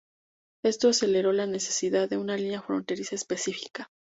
Esto aceleró la necesidad de una línea fronteriza específica.